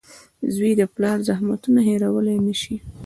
• زوی د پلار زحمتونه هېرولی نه شي.